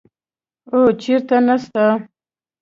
او چېرته نسته.